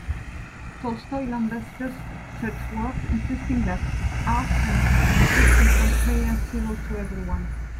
Tolstoy lambastes such works, insisting that art can and should be comprehensible to everyone.